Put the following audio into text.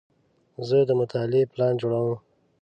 زه د مطالعې پلان جوړوم.